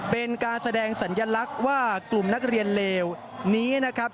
เป็นการแสดงสัญลักษณ์ว่ากลุ่มนักเรียนเลวนี้นะครับ